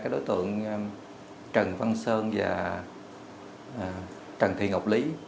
đối tượng trần văn sơn và trần thị ngọc lý